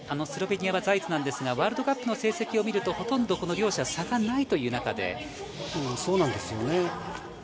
スロベニアはザイツなんですが、ワールドカップの成績を見ると、ほとんどこの両者、差がないという中で、そうなんですよね。